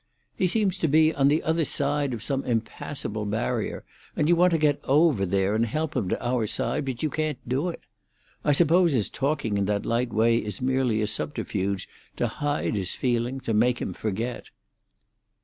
He seems to be on the other side of some impassable barrier, and you want to get over there and help him to our side, but you can't do it. I suppose his talking in that light way is merely a subterfuge to hide his feeling, to make him forget."